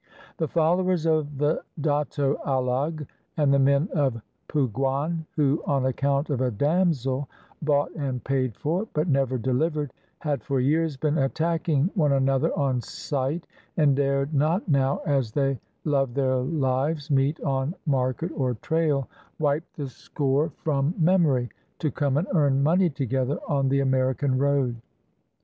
The followers of the Datto Alag and the men of Pugaan, who, on account of a damsel bought and paid for but never deHvered, had for years been attacking one another on sight, and dared not now, as they loved their Uves, meet on market or trail, wiped the score 548 PREPARING OUR MOROS FOR GOVERNMENT from memory to come and earn money together on the American road.